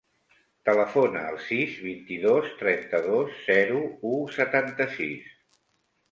Telefona al sis, vint-i-dos, trenta-dos, zero, u, setanta-sis.